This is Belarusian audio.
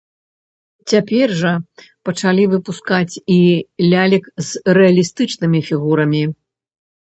Цяпер жа пачалі выпускаць і лялек з рэалістычнымі фігурамі.